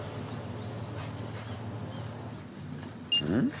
うん？